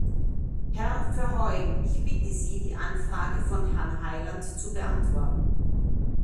Herr Verheugen, ich bitte Sie, die Anfrage von Herrn Hyland zu beantworten.